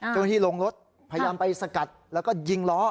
เจ้าหน้าที่ลงรถพยายามไปสกัดแล้วก็ยิงล้อ